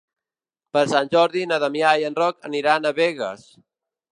Per Sant Jordi na Damià i en Roc aniran a Begues.